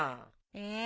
え？